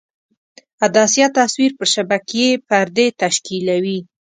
عدسیه تصویر پر شبکیې پردې تشکیولوي.